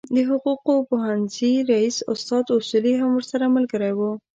د حقوقو پوهنځي رئیس استاد اصولي هم ورسره ملګری و.